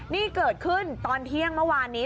นี่เกิดขึ้นตอนเที่ยงเมื่อวานนี้